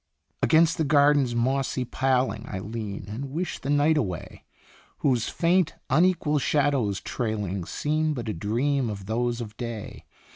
Against the garden's mossy paling I lean, and wish the night away, Whose faint, unequal shadows trailing Seem but a dream of those of day.